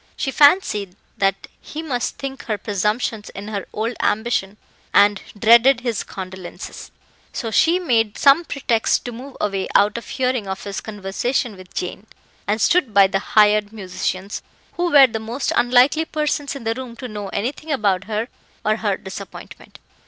She fancied that he must think her presumptuous in her old ambition, and dreaded his condolences; so she made some pretext to move away out of hearing of his conversation with Jane, and stood by the hired musicians, who were the most unlikely persons in the room to know anything about her or her disappointment.